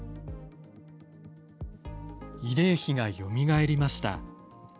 慰霊碑がよみがえりました。